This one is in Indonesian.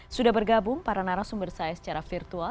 sudah bergabung para narasumber saya secara virtual